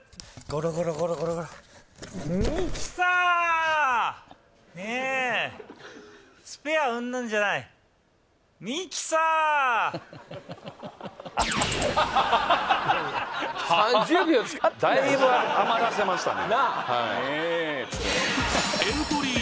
ゴロゴロゴロゴロミキサーねえスペアうんぬんじゃないミキサーだいぶ余らせましたねなあ